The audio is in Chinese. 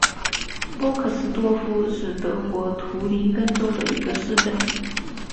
波克斯多夫是德国图林根州的一个市镇。